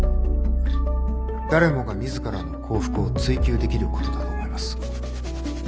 誰もが自らの幸福を追求できることだと思います。